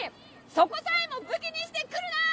そこさえも武器にしてくるな！